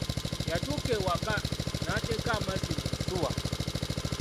Yatuuka e waka n'ateeka amazzi mu nsuwa.